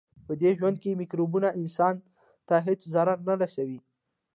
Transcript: پدې ژوند کې مکروبونه انسان ته هیڅ ضرر نه رسوي.